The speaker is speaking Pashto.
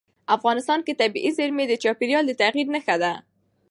افغانستان کې طبیعي زیرمې د چاپېریال د تغیر نښه ده.